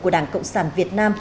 của đảng cộng sản việt nam